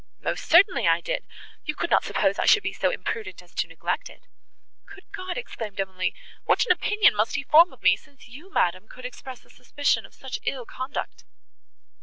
"Most certainly I did; you could not suppose I should be so imprudent as to neglect it." "Good God!" exclaimed Emily, "what an opinion must he form of me, since you, Madam, could express a suspicion of such ill conduct!"